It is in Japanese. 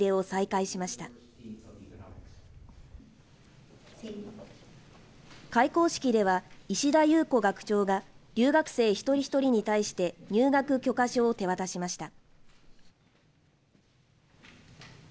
開講式では石田優子学長が留学生１人１人に対して入学許可書を手渡しました。